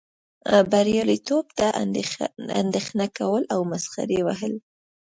بریالیتوب ته اندیښنه کول او مسخرې وهل.